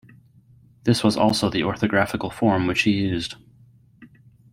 This was also the orthographical form which he used.